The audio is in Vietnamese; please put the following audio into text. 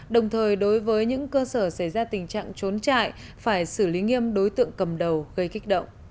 đồng thời đối với những cơ sở xảy ra tình trạng trốn trại phải xử lý nghiêm đối tượng cầm đầu gây kích động